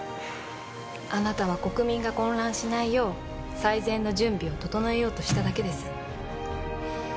あなたは国民が混乱しないよう最善の準備を整えようとしただけです